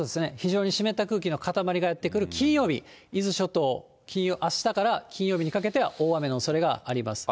非常に湿った空気の固まりがやって来る金曜日、伊豆諸島、あしたから金曜日にかけては大雨のおそれがあります。